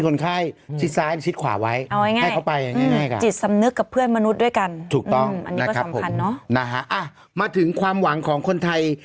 นะฮะอ่ะมาถึงความหวังของคนไทย